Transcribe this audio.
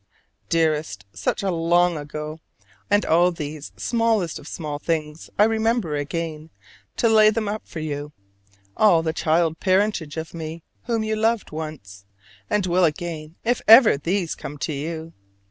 Dearest, such a long ago! and all these smallest of small things I remember again, to lay them up for you: all the child parentage of me whom you loved once, and will again if ever these come to you.